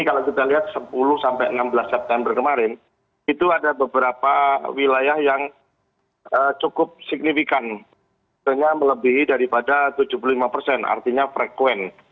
kalau kita lihat sepuluh sampai enam belas september kemarin itu ada beberapa wilayah yang cukup signifikan